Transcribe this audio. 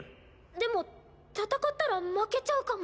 でも戦ったら負けちゃうかも。